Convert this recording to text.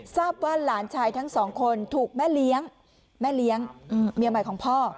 ทราบว่าหลานชายทั้งสองคนถูกแม่เลี้ยงแม่เลี้ยงเมียใหม่ของพ่อ